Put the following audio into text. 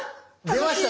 出ました。